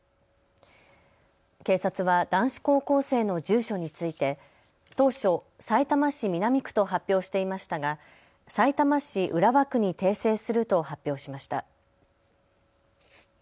警察は男子高校生の住所について当初、さいたま市南区と発表していましたが、さいたま市浦和区に訂正すると発表しました。